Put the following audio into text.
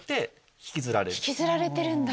引きずられてるんだ。